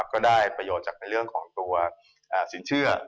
ก็ได้ประโยชน์จากในเรื่องของตัวสินเชื่อ